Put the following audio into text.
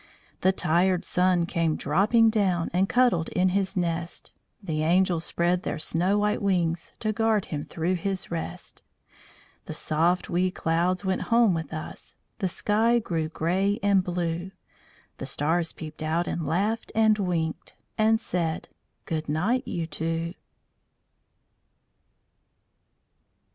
The tired Sun came dropping down, And cuddled in his nest. The angels spread their snow white wings To guard him through his rest. The soft wee clouds went home with us, The sky grew grey and blue; The stars peeped out and laughed and winked, And said: "Good night, you two!"